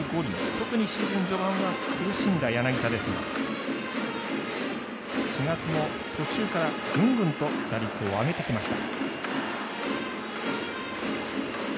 特にシーズン序盤は苦しんだ柳田ですが４月の途中からぐんぐんと打率を上げてきました。